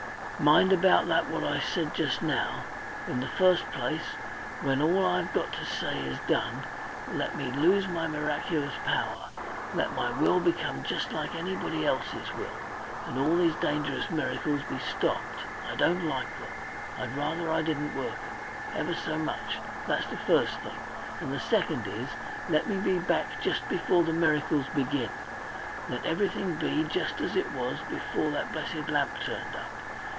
Mind about that what I said just now. In the first place, when all I've got to say is done, let me lose my miraculous power, let my will become just like anybody else's will, and all these dangerous miracles be stopped. I don't like them. I'd rather I didn't work 'em. Ever so much. That's the first thing. And the second is let me be back just before the miracles begin; let everything be just as it was before that blessed lamp turned up.